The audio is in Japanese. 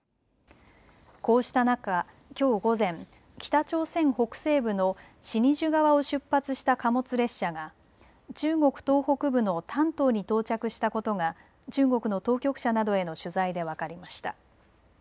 こうした中、きょう午前北朝鮮北西部のシニジュ側を出発した貨物列車が中国東北部の丹東に到着したことが中国の当局者などへの取材で分かりました。